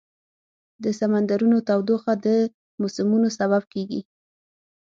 د سمندرونو تودوخه د موسمونو سبب کېږي.